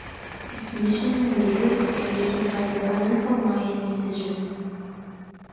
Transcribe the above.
Its mission later expanded to cover other Hawaiian musicians.